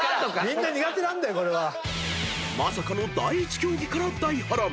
［まさかの第１競技から大波乱］